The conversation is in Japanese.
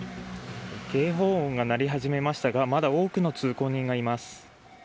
警報音が鳴り始めましたがまだ多くの通行人がいます。